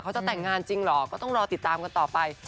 จะแต่งงานจริงเหรอก็ต้องรอติดตามกันต่อไป